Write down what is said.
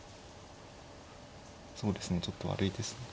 そうですねちょっと悪いですね。